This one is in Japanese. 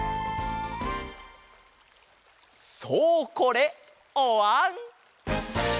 そうこれおわん！